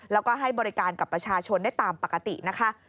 แล้วก็ให้บริการกับประชาชนได้ตามปกตินะคะ